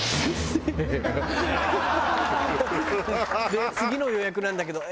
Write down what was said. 「で次の予約なんだけど」。